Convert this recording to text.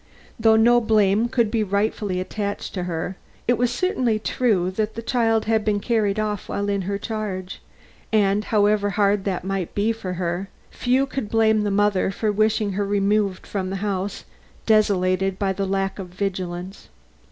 Though no blame could be rightfully attached to her, it was certainly true that the child had been carried off while in her charge, and however hard it might be for her, few could blame the mother for wishing her removed from the house desolated by her lack of vigilance.